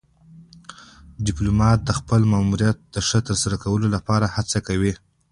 ډيپلومات د خپل ماموریت د ښه ترسره کولو لپاره هڅه کوي.